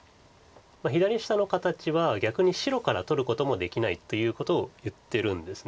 左下の形は逆に白から取ることもできないということを言ってるんです